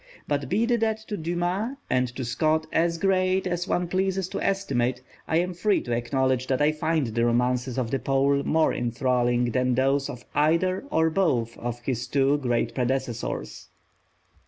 But be the debt to Dumas and to Scott as great as one pleases to estimate, I am free to acknowledge that I find the romances of the Pole more enthralling than those of either or both of his two great predecessors.